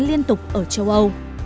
liên tục ở châu âu